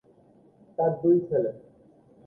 তার দুই ছেলে।